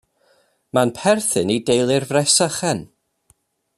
Mae'n perthyn i deulu'r fresychen.